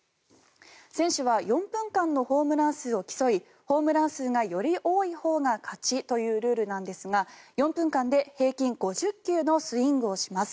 選手は４分間のホームラン数を競いホームラン数がより多いほうが勝ちというルールなんですが４分間で平均５０球のスイングをします。